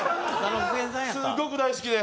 すっごく大好きで。